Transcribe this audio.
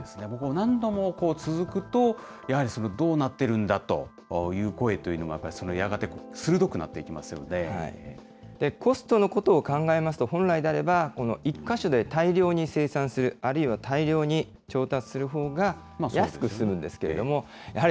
何度も続くと、やはりどうなってるんだという声というのが、やっぱりやがて鋭くコストのことを考えますと、本来であれば、この１か所で大量に生産する、あるいは大量に調達するほうが安く済むんですけれども、やはり